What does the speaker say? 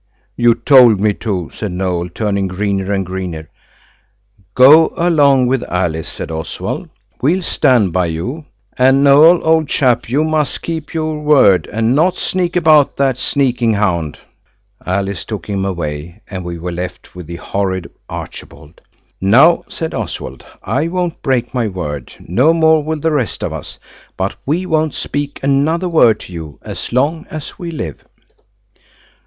"You told me to," said Noël, turning greener and greener. "Go along with Alice," said Oswald. "We'll stand by you. And Noël, old chap, you must keep your word and not sneak about that sneaking hound." Alice took him away, and we were left with the horrid Archibald. "Now," said Oswald, "I won't break my word, no more will the rest of us. But we won't speak another word to you as long as we live."